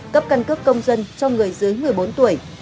cấp căn cước công dân cho người dưới một mươi bốn tuổi